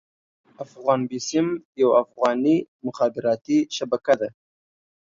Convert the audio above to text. افغان بيسيم يوه افغاني مخابراتي شبکه ده.